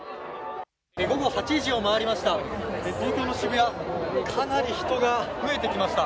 午後８時を回りました。